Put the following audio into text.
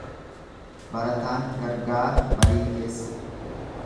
Barataan gargaara barii keessa.